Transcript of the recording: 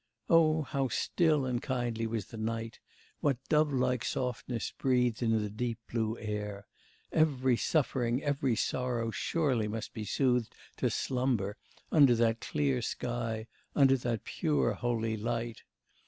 Oh, how still and kindly was the night, what dovelike softness breathed in the deep blue air! Every suffering, every sorrow surely must be soothed to slumber under that clear sky, under that pure, holy light!